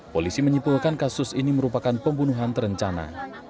polisi menyimpulkan kasus ini merupakan pembunuhan terencana